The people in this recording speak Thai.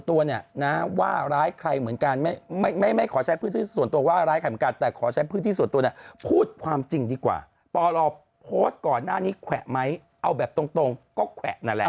ตอนพอดดก่อนหน้านี้แขวะไหมเอาแบบตรงก็แขวะนั่นแหละ